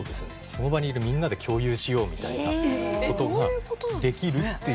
その場にいるみんなで共有しようみたいな事ができるっていう。